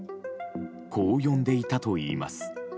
こう呼んでいたといいます。